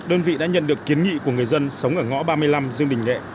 đơn vị đã nhận được kiến nghị của người dân sống ở ngõ ba mươi năm dương đình nghệ